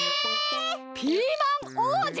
ピーマンおうじ！？